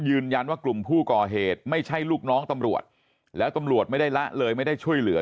ยืนยันว่ากลุ่มผู้ก่อเหตุไม่ใช่ลูกน้องตำรวจแล้วตำรวจไม่ได้ละเลยไม่ได้ช่วยเหลือ